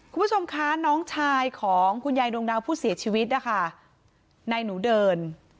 คุณผู้ชมคะน้องชายของคุณยายดวงดาวผู้เสียชีวิตนะคะนายหนูเดิน